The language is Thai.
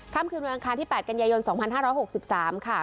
ค่ำคืนวันอังคารที่๘กันยายน๒๕๖๓ค่ะ